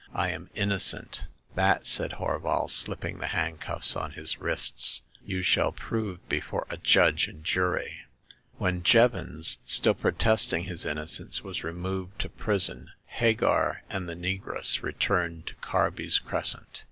" I am innocent !'* *'That," said Horval, slipping the handcuffs on his wrists, you shall prove before a judge and jury." When Jevons, still protesting his innocence, was removed to prison, Hagar and the negress returned to Carby*s Crescent.